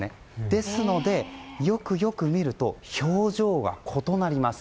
ですので、よく見ると表情が異なります。